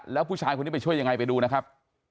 แล้วผู้ชายคนนี้ไปช่วยยังไงไปดูนะครับ